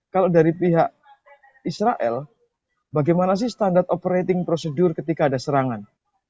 kalau dari pihak israel bagaimana sih standar operating procedure ketika ada serangan